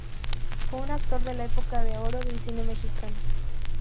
Fue un actor de la Época de Oro del Cine Mexicano.